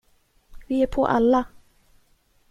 Vi är på alla!